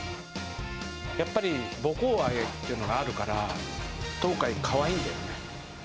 やっぱり母校愛っていうのがあるから、東海、かわいいんだよね。